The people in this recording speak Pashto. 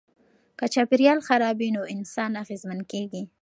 که چاپیریال خراب وي نو انسانان اغېزمن کیږي.